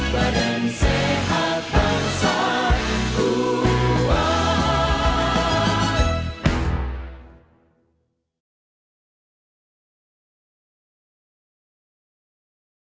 badan sehat bangsa kuat